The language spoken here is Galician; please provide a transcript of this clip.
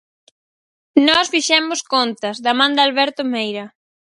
Nós fixemos contas, da man de Alberto Meira.